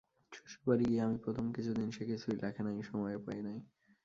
শ্বশুরবাড়ি গিয়া প্রথম কিছুদিন সে কিছুই লেখে নাই, সময়ও পায় নাই।